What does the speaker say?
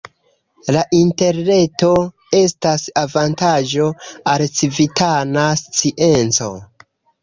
La Interreto estas avantaĝo al civitana scienco.